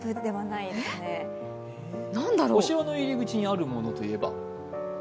お城の入り口にあるものといえば？